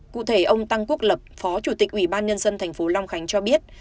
cụ thể ông tăng quốc lập phó chủ tịch ủy ban nhân dân thành phố long khánh cho biết